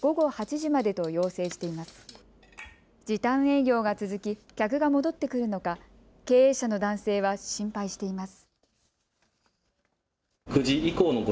時短営業が続き、客が戻ってくるのか経営者の男性は心配しています。